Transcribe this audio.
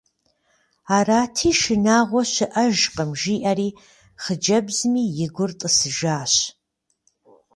Арати, шынагъуэ щыӏэжкъым жиӏэри, хъыджэбзми и гур тӏысыжащ.